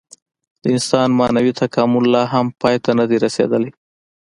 د انسان معنوي تکامل لا هم پای ته نهدی رسېدلی.